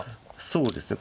そうですね。